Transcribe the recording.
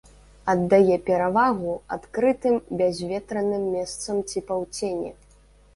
Аддае перавагу адкрытым бязветраным месцам ці паўцені.